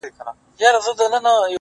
پاچا صاحبه خالي سوئ، له جلاله یې،